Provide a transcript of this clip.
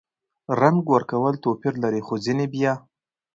رنګ ورکول توپیر لري – خو ځینې بیا